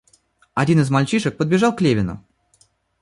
Один из мальчишек подбежал к Левину.